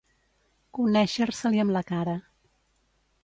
Conèixer-se-li amb la cara.